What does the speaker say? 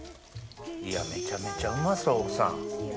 いやめちゃめちゃうまそう奥さん。